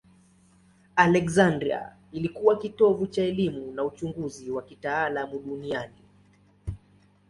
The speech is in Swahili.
Aleksandria ilikuwa kitovu cha elimu na uchunguzi wa kitaalamu duniani.